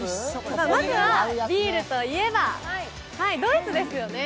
まずはビールといえばどいつですよね。